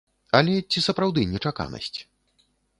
Але ці сапраўды нечаканасць.